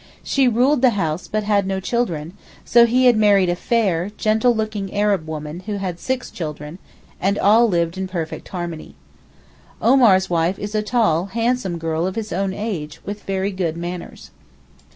She ruled the house but had no children, so he had married a fair, gentle looking Arab woman who had six children, and all lived in perfect harmony. Omar's wife is a tall, handsome girl of his own age, with very good manners.